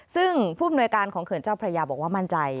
ซึ่งผู้อำนวยการของเขื่อนเจ้าพระยาบอกว่ามั่นใจ